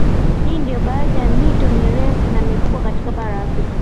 Hii ndio baadhi ya mito mirefu na mikubwa katika Bara la Afrika